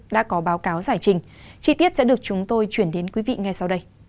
đã có báo cáo giải trình chi tiết sẽ được chúng tôi chuyển đến quý vị ngay sau đây